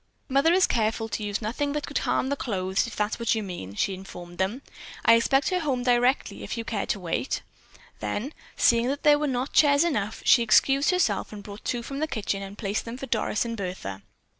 "Mother is careful to use nothing that could harm the clothes, if that is what you mean," she informed them. "I expect her home directly, if you care to wait." Then, seeing that there were not chairs enough, she excused herself and brought two from the kitchen and placed them for Doris and Bertha.